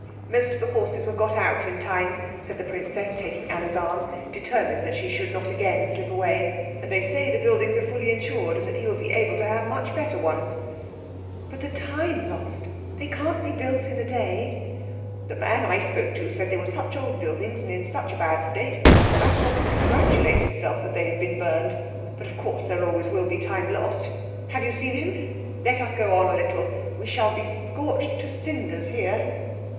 "Most of the horses were got out in time," said the princess, taking Anna's arm, determined that she should not again slip away, "and they say the buildings are fully insured, and he will be able to have much better ones." "But the time lost they can't be built in a day " "The man I spoke to said they were such old buildings and in such a bad state that Axel can congratulate himself that they have been burned. But of course there will always be the time lost. Have you seen him? Let us go on a little we shall be scorched to cinders here."